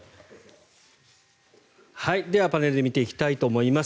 では、パネルで見ていきたいと思います。